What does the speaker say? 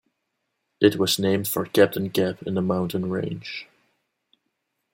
It was named for Capitan Gap in the mountain range.